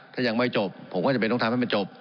ถ้ายังไม่จบผมก็จำเป็นต้องทำให้มันจบ